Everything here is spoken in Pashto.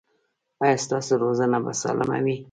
ایا ستاسو روزنه به سالمه وي؟